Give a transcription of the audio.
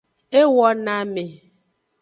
E wo na ame.